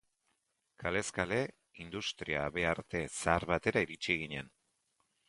Kalez kale industria-habearte zahar batera iritsi ginen.